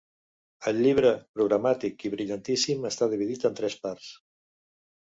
El llibre, programàtic i brillantíssim, està dividit en tres parts.